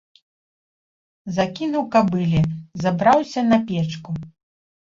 Закінуў кабыле, забраўся на печку.